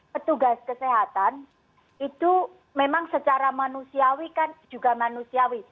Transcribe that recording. petugas kesehatan itu memang secara manusiawi kan juga manusiawi